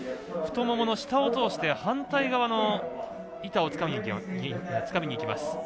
太ももの下を通して反対側の板をつかみにいきます。